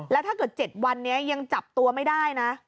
แล้วถ้าเกิด๗วันนี้ยังจับตัวไม่ได้นะ